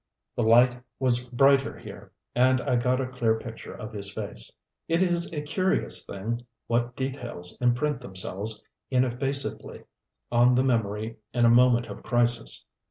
The light was brighter here, and I got a clear picture of his face. It is a curious thing what details imprint themselves ineffaceably on the memory in a moment of crisis.